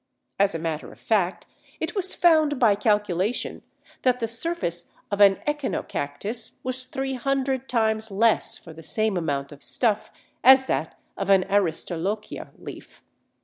As a matter of fact, it was found by calculation that the surface of an Echinocactus was 300 times less for the same amount of stuff as that of an Aristolochia leaf.